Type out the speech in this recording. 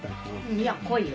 いや濃いよ。